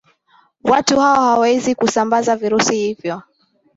watu hao hawawezi kusambaza virusi hivyo